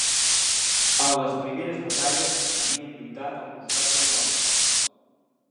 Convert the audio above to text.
En les primeres batalles havien lluitat al costat dels homes